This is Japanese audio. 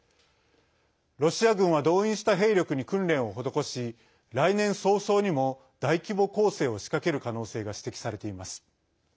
ロシア軍は動員した兵力に訓練を施し、来年早々にも大規模攻勢を仕掛ける可能性が指摘されています。